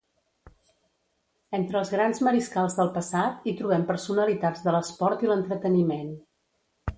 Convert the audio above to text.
Entre els grans mariscals del passat, hi trobem personalitats de l'esport i l'entreteniment.